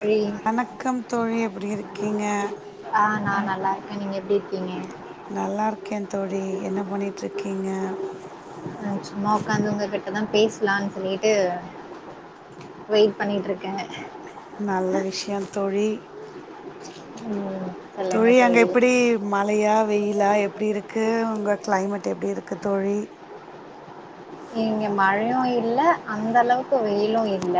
தோழி வணக்கம் தோழி எப்டி இருக்கீங்க ஆ நா நல்லா இருக்கே நீங்க எப்டி இருக்கீங்க நல்லா ருக்கேன் தோழி என்ன பண்ணிட்டு இருக்கீங்க பிளான் சொல்லிட்டு வெயிட் பண்ணிட்டுருக்கேன் நல்ல விஷயம் தோழி ம் தோழி அங்க எப்டி மழையா வெயிலா எப்டி இருக்கு உங்க க்ளைமட் எப்டி இருக்கு தோழி இங்க மழையு இல்ல அந்த அளவுக்கு வெயிலு இல்ல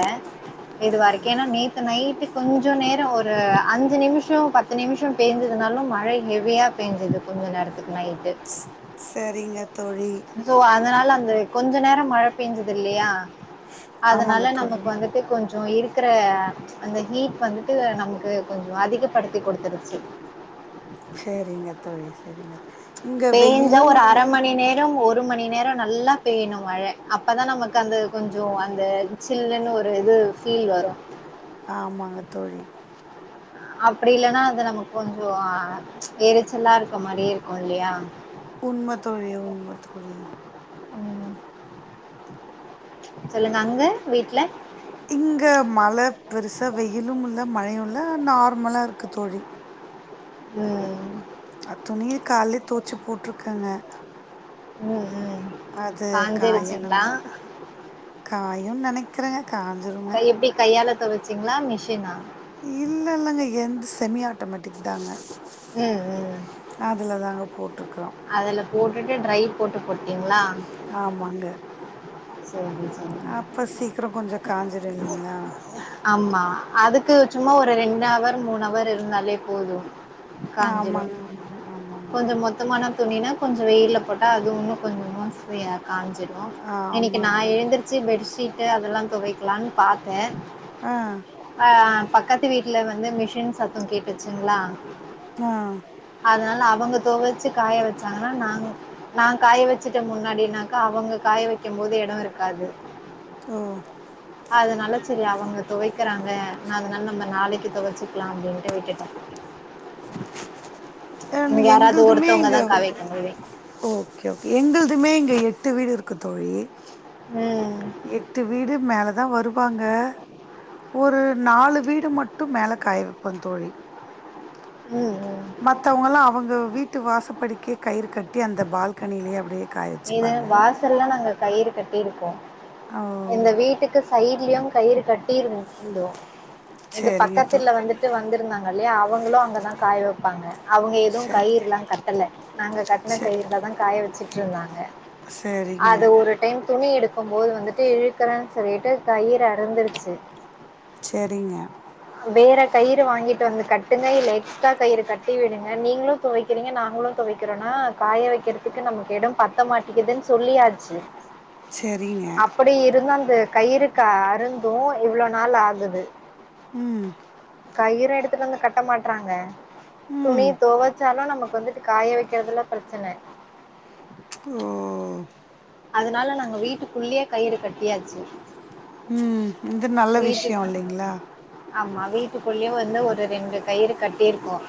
இதுவரக்கேன நேத்து நைட்டு கொஞ்சோ நேரோ ஒரு அஞ்சி நிமிஷோ பத்து நிமிஷோ பெஞ்சிதுனாலு மழ ஹெவியா பெஞ்சிது கொஞ்சோ நேரத்துக்கு நைட்டு செரிங்கப் சோ அதனால அந்த கொஞ்சோ நேரோ மழ பெஞ்சுதுல்லியா ஆமாங்க அதனால தோழி நமக் வந்துட்டு கொஞ் சோ இருக்குற அந்த ஹீட் வந்துட்டு நமக்கு கொஞ்சோ அதிகப்படுத்தி குடுத்துருச்சி சரிங்க தோழி செரிங்க பெஞ்சா ஒரு அர மணி நேர ஒரு மணி நேர நல்லா பெய்யணு மழ அப்பதா நமக்கு அந்த கொஞ்சோ அந்த சில்லுன்னு ஒரு இது ஃபீல் வரு ஆமாங்க தோழி அப்டி இல்லன்னா அது நம்ம கொஞ்சோ எரிச்சலா இருக்க மாரியே இருக்கு இல்லியா உண்ம தோழி உண்ம தோழி ம் சொல்லுங்க அங்க வீட்ல இங்க மழ பெருசா வெய்யிலு இல்ல மழையு இல்ல நார்மலா இருக்கு தோழி ம் அ துணிய கால்லே துவச்சு போட்ருக்கங்க ம் ம் அது காயணும்ங்க காஞ்சிருச்சுங்களா காயு நெனக்கிறேங்க காஞ்சிருங்க ன்னா இல்லல்லங்க எந்து செமி ஆட்டோமேட்டிக் தாங்க ம் ம் அதுல தாங்க போட்ருக்குறோ அதுல போட்டுட்டு ட்ரை போட்டு போ டிங்களா ஆமாங்க செரி செரி அப்ப சீக்கிரோ கொஞ்சோ காஞ்சிடு இல்லைங்களா ஆமா அதுக்கு சும்மா ஒரு ரெண்டு அவ ர் மூணு அவர் இருந்தாலே போது காஞ்சிடும் ஆமாங்க ஆமாங்க கொஞ்சோ மொத்தமானா துணினா கொஞ்சோ வெய்யில போட்டா அது இன்னு கொஞ்சோ [unintelligible] ஆகு காஞ்சிரு ஆமாங்க இன்னக்கி நா ஆமாங்க எந்திருச்சு பெட்ஷீட்டு அ தெல்லா தொவக்கலான் பாத்தே ஆ ஆ பக்கத்து வீட்டுல வ ந்து மிஷின் சத்தோ கேட்டுச்சுங்களா ஆ அதனால அவுங்க துவச்சு காய வச்சாங்கன்னா நாங்க நா காய வச்சுட்ட முன்னாடினாக்க அவுங்க காய வ க்கி போது எடம் இருக்காது ஓ அதனால செரி அவுங்க தொவைக்கிறாங்க நா அதனால நம்ம நாளைக்கி தொவைச்சிக்கலா அப்டின்ட்டு விட்டுட்டே அ [unintelligible] எங்குள்துமே ஒருத்தவங்க இங்க தான் காய வைக்க முடியும் ஓ ஓகே ஓகே எங்குள்துமே இ எட்டு வீடு இருக்கு தோழி ம் எட்டு வீடு மேல தான் வருவாங்க ஒரு நாலு வீடு மட்டு மேல காய வெப்பேன் தோழி ம் ம் மத்தவங்கல்லாம் அவங்க வீட்டு வாசப்படி கே கயிறு கட்டி அந்த பால்கனிலேயே அப்படியே காய இது வச்சுப்பாங்க வாசல்ல நாங்க கயிறு கட்டிருக்கோ ஓ எங்க வீட்டுக்கு சைட்லயும் கயிறு இருக்கு கட்டியிருந் தோம் இந்த சரிங்க தோ பக்கத்துல வந்துட்டு வந்திருந்தாங்க ழி அவங்களும் அங்கதான் காய வப்பாங்க அவங்க எதுவும் சரி கயிறல்லாம் கட்டல நாங்க கட்டின சரி கயிறலதான் காய வச்சி இருந்தாங்க சரிங்க அது ஒரு டைம் துணி எடுக்கும் போது வந்து இழுக்கறேன்னு சொல்லிட்டு கயிறு அறந்துருச்சு சரிங்க வேற கயிறு வாங்கிட்டு வந்து கட்டுங்க இல்ல எக்ஸ்ட்ரா கயிறு கட்டி விடுங்க நீங்களும் தொவைக்கிறீங்க நாங்களும் தொவைக்கிறோம்னா காய வைக்கறதுக்கு நமக்கு இடம் பத்த மாட்டேங்கிதுனு சொல்லியாச்சு சரிங்க அப்படி இருந்த அந்த கயிருக்கு அருந்தும் இவ்ளவு நாள் ஆகுது ம் கயிறு எடுத்துட்டு வந்து கட்ட மாட்றாங்க துணி ம் தொவச்சாலும் நமக்கு வந்து காய வைக்கறதுல பிரச்சன ஓ அதனால நாங்க வீட்டுக்குள்ளயே கயிறு கட்டியாச்சு ம் இது நல்ல வீட்டு விஷயம் இல்லைங்களா ஆமா வீட்டுக்குள்ளேயே வந்து ஒரு ரெண்டு கயிறு கட்டியிருக்கோம்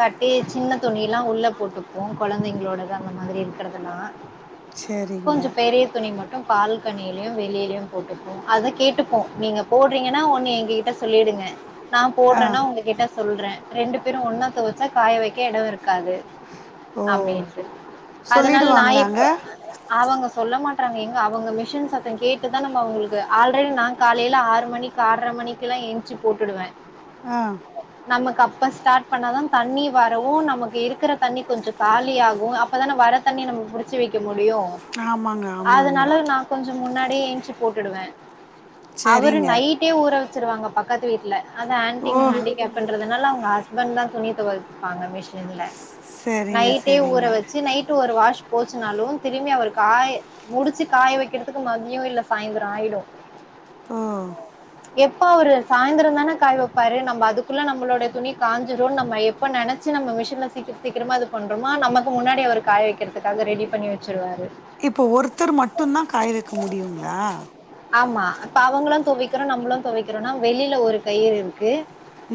கட்டி சின்ன துணியெல்லா உள்ள போட்டுப்போம் கொழந்தைங்களோடது அந்த மாரி இருக்கறதெல்லாம் சரிங்க கொஞ்சம் பெரிய துணி மட்டும் பால்கனியிலயும் வெளியிலயும் போட்டுப்போம் அத கேட்டுப்போம் நீங்க போடுறீங்கன்னா ஒண்ணு எங்க கிட்ட சொல்லிடுங்க நான் ஆ போடுறேன்னா உங்ககிட்ட சொல்றேன் ரெண்டு பேரும் ஒண்ணா தொவச்சா காய வைக்க இடம் இருக்காது ஓ அப்படின்ட்டு அதனால நான் சொல்லிடுவாங்களாங்க அவங்க சொல்ல மாட் டாங்க எங்க அவங்க மிஷன் சத்தம் கேட்டுதான் நம்ம அவங்களுக்கு ஆல்ரெடி நான் காலையில ஆறு மணிக்கு ஆறரை மணிக்கு எல்லாம் எஞ்சு போட்டுடுவே ஆ நமக்கு அப்ப ஸ்டார்ட் பண்ண தான் தண்ணி வரவும் நமக்கு இருக்கற தண்ணி கொஞ்சம் காலி ஆகும் அப்போதானே வர தண்ணி நமக்கு புடிச் சுவைக்க மு டியு ஆமாங்க ஆமாங்க அதனால நா கொஞ்சோ முன்னாடியே எஞ்சு போட்டுடுவே அவரு சரிங்க நைட்டே ஊற வெச்சிருவாங்க பக் கத்து வீட்ல அந்த ஆண்டி ஓ கொ ஹண்டிகேப்புன்றதுனால அவுங்க ஹஸ்பண்ட் தா துணி துவைப்பாங்க மிஷின்ல சரிங்க நைட்டே ஊற சரிங்க வெச்சு நைட் ஒரு வாஷ் போச்சுனாலு திரும்பி அவர் காய முடிச்சு காய வைக்குறதுக்கு மதியோ இல்ல சாயந்திரோ ஆயிடு ஆ எப்ப அவரு சாய்ந்தரோ தானே காய வெப்பாரு நம்ப அதுக்குள்ள நம்மளுடய துணி காஞ்சிரு நம்ம எப்ப நெனச்சு நம்ம மிஷின்ல சீக்கிர சீக்கிரமா இது பண்றோமா நமக்கு முன்னாடி அவரு காய வைக்கிற துக்காக ரெடி பண்ணி வெச்சுருவாரு இப்போ ஒருத்தர் மட்டுன்தா காய வைக்க முடியுங்களா ஆமா அப்ப அவங்களு துவக்கிறோ நம்மளு துவைக்கிறோனா வெளியில ஒரு கயிறு இருக்கு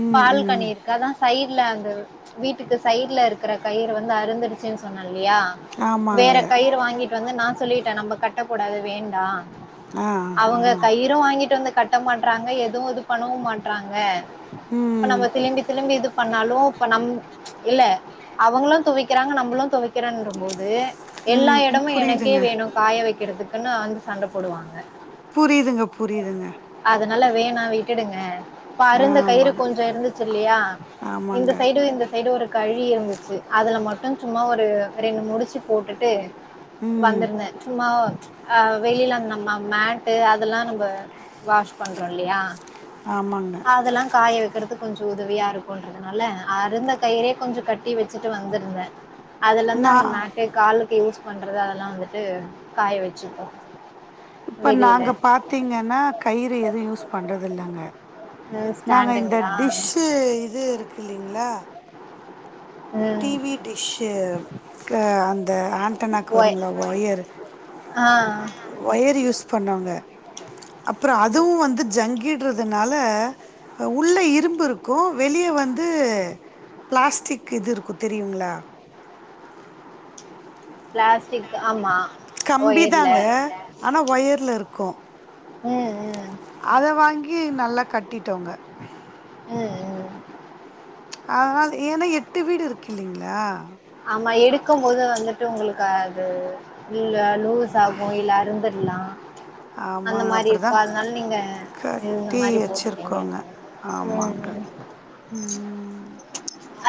ம் ம் பால்கனி இருக்காதா சைடுல அந்து வீட்டுக்கு சைடுல இருக்குற கயிறு வந்து அருந்துடுச்சுன் சொன்னே இல்லயா ஆமாங்க வேற கயிறு வாங்கிட்டு வந்து நா சொல்லிட்டே நம்ப கட் டக்கூடாது வேண்டா ஆ ஆ அவங்க கயிறு வாங்கிட்டு வந்து கட் ட மாட்றாங்க எதுவு இது பண்ணவு மாட்றாங்க இப்ப ம் நம்ம திளும்பி திளும்பி இது பண்ணாலு இப்ப நம் இல்ல அவங்களு துவக்குறாங்க நம்மளு துவக்கிறன்றபோ து எல்லா ம் இடமு எனக்கே புரியுதுங்க வேணு காய வைக்குறதுக் குன்னு வந்து சண்ட போடுவாங்க புரியுதுங்க புரியுதுங்க னால வேணா விட்டுடுங்க இப்ப அருந்த கயிறு ஆமாங்க கொஞ்சோ இருந்துச் சு இல்லயா இந்த ஆமாங்க சைடு இந்த சைடு ஒரு கயிறு இருந்துச்சு அதுல மட்டு சும்மா ஒரு ரெண்டு முடிச்சு சு போட்டுட்டு ம் வந்துருந்தே சும்மா அ வெளியில நம்ம மேட்டு அதெல்லா நம்ப வாஷ் பண்றோ இல்லயா ஆமாங்க க்குறது கொஞ்சோ உதவியா இருக்குன்றதுனால அருந்த கயிறே கொஞ்சோ கட்டி வெச்சுட்டு வந்துருந்தே அதுல இருந்து நா அந்த மே [unintelligible] யூஸ் பண்றது அதெல்லா வந்துட்டு காய வெச்சுப்போ இப்ப நாங்க பாத்தீங்கன்னா கயிறு எது யூஸ் பண்றது இல்லங்க ம், நாங்க இந்த ஸ்டாண்டுங்களா டிஷ்ஷு இது இருக்கு இல்லைங்ளா ம் டிவி டிஷ்ஷு க்கு அந்த ஆண்டனாக்கு ஒய்- வருங்கள ஒயரு ஆ ஒயரு யூஸ் ஃபண்ணாங்க அப்புறே அதுவு வந்து ஜங்கிடுறதுனால ல அ உள்ள இரும்பு இருக்கு வெளியே வந்து பிளாஸ்டிக் இது இருக்கு தெரியுங்ளா பிளாஸ்டிக் ஆமா கம்பி ஒயர்ல தாங்க ஆனா ஒயர்ல இருக்கு ம் ம் அத வாங்கி நல்லா கட்டிட்டோங்க ம் ம் அதனால் ஏன்னா எட்டு வீடு இருக்கு இல்லீங்ளா ஆமா எடுக்கும் போது வந்து ட்டு உங்களுக்கு அது இல்லன் லூச போயில்ல அருந்து ல்லா ஆமாங்க அப்புடிதா இந்த கட்டி மாரி போட்டுட்டீங்க வெச்சிருக்கோங்க ம் ஆமாங்க ம் ம்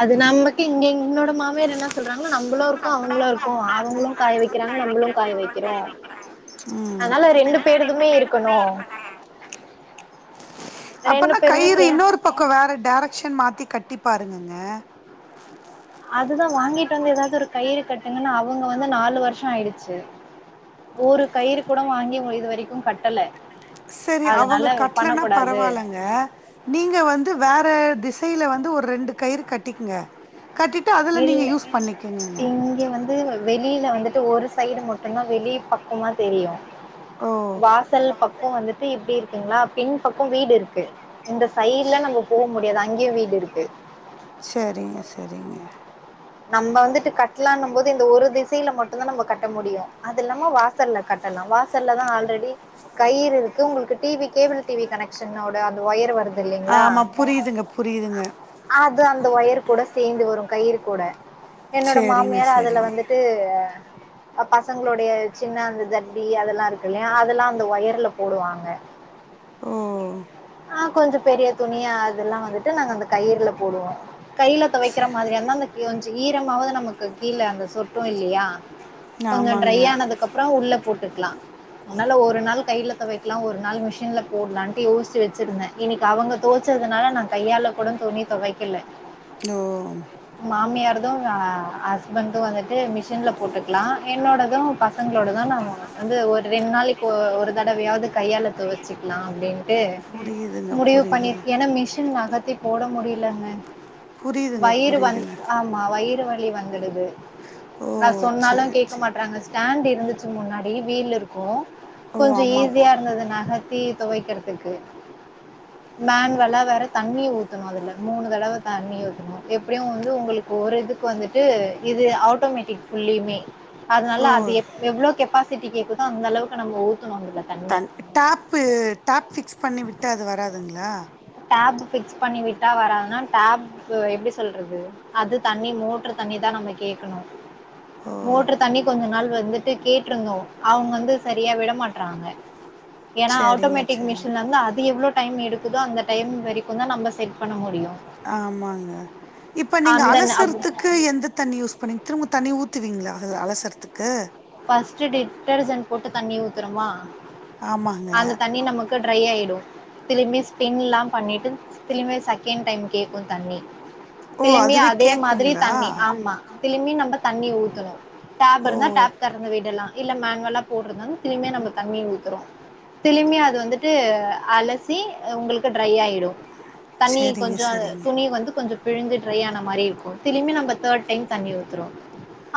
அது நமக்கு இங்க எங் என்னோட மாமியார் என்ன சொல்றாங்கனா நம்பளு இருக்கோ அவுங்களு இருக்கோ அவுங்களு காய வெக்கிறாங்க நம்புளு காய வெக்கிறோ ம் அதனால ரெண்டு பேருதுமே இருக்கணு ரெண்டு அப்பன்னா பேருமே கயிறு சே இன்னொரு பக்கோ வேற டேரெக்ஷன் மாத்தி கட்டி பாருங்கங்க அதுதா வாங்கிட்டு வந்து ஏதாவது ஒரு கயிறு கட் எங்கன்னா அவுங்க வந்து நாலு வருஷோ ஆயிடுச்சு ஒரு கயிறு கூட வாங்கி இவங்க இது வரைக்கு கட்டல்ல செரி அவங்க கட்லேனா பரவால்லங்க நீங்க வந்து வேற திஸ் பையில் வந்து ஒரு ரெண்டு கயிறு கட்டிக்குங்க கட்டிட்டு அதுல நீங்க இல்ல யூஸ் பண்ணிக்கெங்கங்க இங்க வந்து வெளியில வந்துட்டு ஒரு சைடு மட்டும்தா வெளி பக்கமா தெரியு ஓ வாசல் பக்கோ வந்துட்டு எப்டிருக் கெங்ளா பின் பக்கோ வீடுருக்கு இந்த சைட்ல நம்போ போ முடியாது அங் அங்கே வீடுருக்கு செரிங்க செரிங்க நம்ப வந்துட்டு கட்டலான்னும் போது இந்த ஒரு திசையில மட்டுந்தா நம்ம கட்ட முடியு அது இல்லாம வாசல்ல கட்டலா வாசல்ல தா ஆல்ரெடி கயிறு இருக்கு உங்களுக்கு டிவி கேபிள் டிவி கனெக்க்ஷனோட அந்த ஒயர் வருத் தில்லைங்ளா ஆமா அ புரியுதுங்க புரியுதுங்க அது அந்த ஒயர் கூட சேந்து வரு கயிரு கூட என்னோட செரிங்க மாமியார் அதுல செரிங்க வந்துட்டு அ பசங்களுடைய சின்ன அந்த ஜட்டி அதெல்லா இருக்கு இல்லையா அதெல்லா அந்த ஒயர்ல போடுவாங்க ஓ ஆ கொஞ்சோ பெரிய துணி அ அதெல்லா வந்துட்டு நாங்க அந்த கயிறுல போடுவோ கைல தொவைக்கிற செ மாதிரியா இருந்தா அந்த க்யூஞ் சி ஈரமாவுது நமக்கு கீழே அந்த சொட்டு இல்லயா கொஞ்ச ஆமாங்க ட்ரை ஆனதுக்கு அப்புறோ உள்ள போட்டுக்லா அதனால ஒரு நாள் கைல தொவைக்கலா ஒரு நாள் மிஷின்ல போடலான்ட்டு யோசிச்சு வச் ச்சிருந்த இன்னைக்கு அவுங்க துவச்சதுனால நா கையால கூட துணி தொவைக்கில ஓ து ஹஸ்பண்ட்து வந்துட்டு மிஷின்ல போட்டுக்லா என்னோடது பசங்ளோடது நாம வந்து ஒரு ரெண்டு நாளைக்கு ஒ ஒரு தடவையாவுது கையால துவச்சிக்லா அப்டின்ட்டு புரியுதுங்க முடிவு புரியுதுங்க பண்ணிருக் ஏனா மிஷின் நகத்தி போட முடிலங்க புரியுதுங்க வயிறு வந் புரியுதுங்க ஆமா வயிறு வந் வந்துடுது ஓ நா சொன்னாலு சேர் கேக்க சேர் மாட்றாங்க ஸ்டாண்ட் இருந்துச்சு முன்னாடி வீல் இருக்கு ஓ கொஞ்ச ஆமா போ ஈஸியா இருந்துது நகத்தி தொவைக்றதுக்கு மேன்வல்லா வேற தண்ணிய ஊத்தணு அதுல மூணு தடவ தண்ணி ஊத்தணு எப்படியு வந்து உங்குளுக்கு ஒரு இதுக்கு வந்துட்டு இது ஆட்டோமேட்டிக் ஃபுல்லியுமே அதனால ஓ அது எ எவ்ளோ கெப்பாசிட்டி கேக்குதோ அந்த அளவுக்கு நம்ம ஊத் தண் டேப்பு டேப் ஃபிக்ஸ் பண்ணி விட் டா அது வராதுங்ளா டேப் ஃபிக்ஸ் பண்ணி விட்டா வராதுன்னா டேப் எப்டி சொல்றது அது தண்ணி மோட்ரு தண்ணி தா நம்ம கேக்கணு ஓ மோட்ரு தண்ணி கொஞ்ச நாள் வந்துட்டு கேட்ருந்தோ அவுங்க வந்து சரியா விட மாட்றாங்க ஏன்னா சரிங்க ஆட்டோமேட்டிக் சரிங்க மிஷின்ல வந்து அது எவ்ளோ டைம் எடுக்குதோ அந்த டைம் வரைக்குந்தா நம்ம செட் பண்ண முடியு ஆமாங்க இப்ப நீங்க அந்த ந அப் அலசுறதுக்கு எந்த தண்ணி யூஸ் பண்ணி திரும்ப தண்ணி ஊத் துவிங்ளா அதுல அலசரதுக்கு ஃபர்ஸ்ட்டு டிட்டர்ஜெண்ட் போட்டு தண்ணி ஊத்தறமா ஆமாங்க அந்த தண்ணி நமக்கு ட்ரை ஆயிடு திரும்பி ஸ்பின் எல்லா பண்ணிட்டு திரும்பியு செகண்ட் டைம் கேக்கு தண்ணி ஓ திளும்பியு அதுவே அதே மாதிரி கேக்குங்களா தண்ணி ஆமா திளும்பி நம்ம தண்ணி ஊத்தணு டேப் ஓ இருந்தா டேப் தெறந்து விடலா இல்ல மேன்வலா போடுறதனாலு திரும்பியு நம்ம தண்ணி ஊத்தறோ திளும்பியு அது வந்துட்டு அலசி உங்களுக்கு ட்ரை ஆயிடு தண்ணி சரிங்க கொஞ்ச சரிங்க துணி வந்து கொஞ்ச பிளிஞ்சு ட்ரை ஆன மாரி இருக்கு திளும்பி நம்ம தேர்ட் டைம் தண்ணி ஊத்துறோ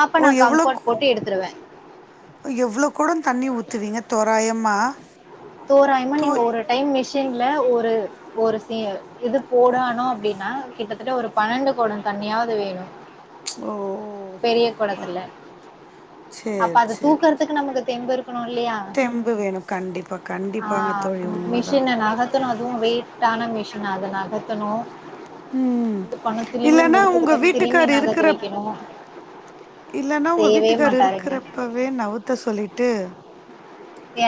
அப்ப நான் கம்ஃபர்ட் போட்டு எடுத்துடுவே எவ்வளவு குட தண்ணி ஊத்துவீங்க தோராயம் மா தோராயமா நீங்க ஒரு டைம் மிஷின் ல ஒரு ஒரு ச இது போடானும் அப்படின்னா கிட்டத்தட்ட ஒரு பன்னெண்டு குடம் தண்ணியாவது வேணும் ஓ பெரிய பா குடத்துல அப்ப சேரி அதை சேரி தூக்குறதுக்கு நமக்கு தெம்பு இருக்கணும் இல்லையா தெம்பு வேணும் கண்டிப்பா ஆ கண்டிப்பாங்க தோழி உண்மதான் மிஷின் நகத்ன்னு அதுவு வெயி யிட்டான மிஷின் அத நகத்தணு ம் இது பண்ணு திரும்பி இல்லன்னா உங்க முடிச்சதுக்கப் திரும்பி வீட்டுக்கார் நகத்தி இருக்ற வைக்கணு இல்லன்னா உங்க செய்யவே வீட்டுக்கார் மாட்டாருங்க இருக்றப்பவே நவுத்த சொல்லிட்டு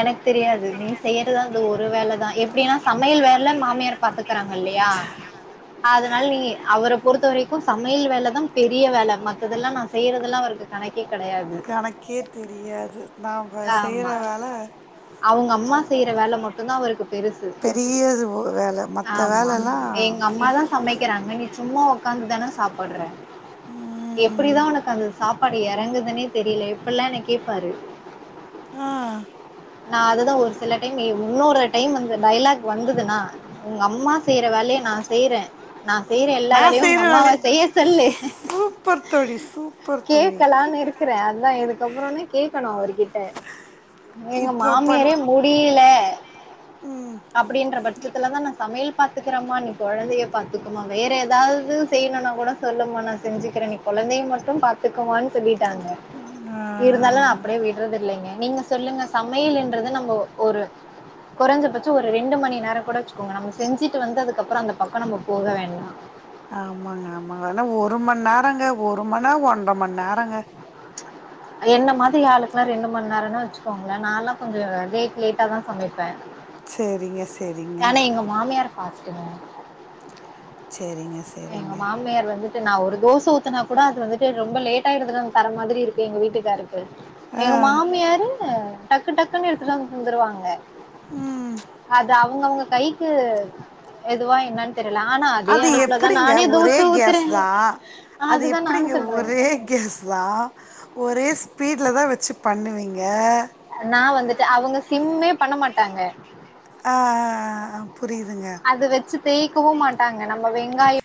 எனக்கு தெரியாது நீ செய்றதா ஒரு வேலதா எப்டின்னா சமையல் வேல மாமியார் பாத்துக்றாங்க இல்லயா அதனால நீ அவர பொறுத்த வரைக்கு சமையல் வேலதா பெரிய வேல மத்ததெல்லா நா செய்றதெல்லா அவருக்கு கணக்கே கிடையாது. கணக்கே தெரியாது நா ஆமா அவுங்க அம்மா செய்ற வேல மட்டு தா அவருக்கு பெருசுது பெரிய வேல மத்த ஆமா வேலல்லா எங்க அம்ம தா சமைக்றாங்க நீ சும்மா உக்காந்து தானே சாப்ட்ற ம் எப்டிதா உனக்கு அந்த சாப்பாடு எறங்குதுன்னே தெரில இப்ட்ல்லா என்ன கேப்பாரு ஆ நா அதுதா ஒரு சில டைம் இன்னொரு டைம் வந்த டைலக் வந்துதுன்னா உங்க அம்மா செய்ற வேலய நா செய்றே நா செய்றே எல்லா நா வேலையு செய்ற உங்க அம்மாவ வேலய செய்ய சொல்லு சூப்பர் தோழி சூப்பர் தோழி கேக்கலானு இருக்கற அததா இதுக்கப்றனே கே கேக்கனு அவருக் கிட்ட எங்க இப்போ பண் மாமியாரே முடில ம் அப்டின்ற பட்சத்துலதா நா சமையல் பாத்துக்றம நீ கொழந்தைய பாத்துக்கோமா வேற ஏதாவது செய்யணுனா கூட சொல்லுமா நா செஞ்சுக்ற நீ கொழந்தையை மட்டு பாத்துக்கோமான்னு சொல்லிட்டாங்க ஆ இருந்தாலு நா அப்டியே விட் நீங்க சொல்லுங்க சமையல்ன்றது நம்ம ஒரு கொறஞ்ச பட்சோ ஒரு ரெண்டு மணி நேரொ கூட வச்சுக்கோங்க நம்ம செஞ்சுட்டு வந்துதது அப்ரோ அந்த பக்கோ நம்ம போக வேண்டா ஆமாங்க ஆமாங்க ஆனா ஒரு மண் நேரங்க ஒரு மணா ஒன்றரை மண் நேரங்க என்ன மாதிரி ஆளுக்ல்லா ரெண்டு மண் நேரனு வச்சுக்கோங்ளே நாலா கொஞ்சோ லேட் லேட்டா தா சமைப்பே சேரிங்க சேரிங்க ஏனா எங்க மாமியார் பாஸ் த சேரிங்க சேரிங்க நா ஒரு தோச ஊத்னா கூட அது வந்துட்டு ரொம்ப லேட்டா எடுத்துட்டு வந்து தர மாதிரி இருக்கு எங்க வீட்டுக்காருக்கு ஆ எங்க மாமியாரு டக்கு டக்குன்னு எடுத்துட்டு வந்து தந்துடுவாங்க ம் அது அவ அவுங்க அவுங்க கைக்கு எதுவா என்னன் தெரில ஆனா அதே அது அடு எப்டிங்க ஒரே கேஸ் தா அது அதுதான் எப்டிங்க நானும் சொல்கிறேன் ஒரே கேஸ் தா ஒரே ஸ்பீட்லதா வெச்சு பண்ணுவீங்க நா வந்துட்டு அவுங்க சிம்மே பண்ண மாட்டாங்க ஆ ஆ ஆ புரியுதுங்க தேய்கவு மாட்டாங்க நம்ம வெங்காயோ